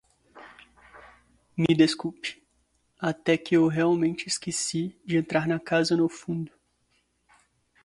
Me desculpe, até que eu realmente esqueci de entrar na casa no fundo.